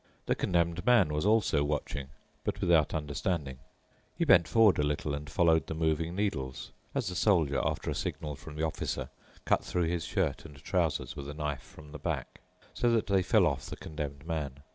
The Condemned Man was also watching, but without understanding. He bent forward a little and followed the moving needles, as the Soldier, after a signal from the Officer, cut through his shirt and trousers with a knife from the back, so that they fell off the Condemned Man.